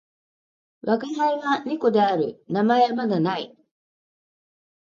わがはいは猫である。名前はまだ無い。